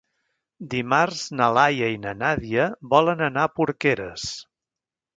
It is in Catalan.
Dimarts na Laia i na Nàdia volen anar a Porqueres.